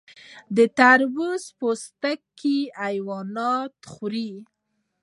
د تربوز پوستکي حیوانات خوري.